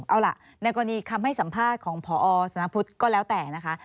เอาล่ะในกรณีคำให้สัมภาษณ์ของพอสนพุทธก็แล้วแต่นะคะ